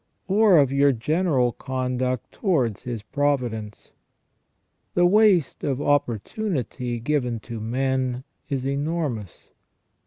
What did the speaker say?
Or of your general conduct towards His providence? The waste of oppor tunity given to men is enormous.